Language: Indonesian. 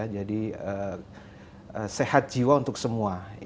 jadi sehat jiwa untuk semua